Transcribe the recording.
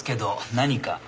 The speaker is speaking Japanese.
何か？